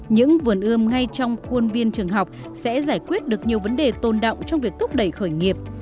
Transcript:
những vườn ươm ngay trong khuôn viên trường học sẽ giải quyết được nhiều vấn đề tồn động trong việc thúc đẩy khởi nghiệp